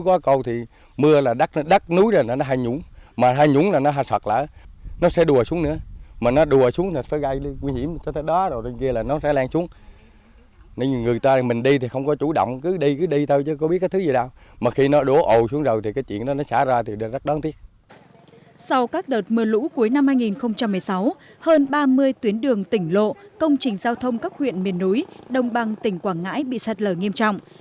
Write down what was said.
sau các đợt mưa lũ cuối năm hai nghìn một mươi sáu hơn ba mươi tuyến đường tỉnh lộ công trình giao thông các huyện miền núi đồng bằng tỉnh quảng ngãi bị sạt lở nghiêm trọng